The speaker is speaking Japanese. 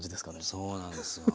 そうなんですよ。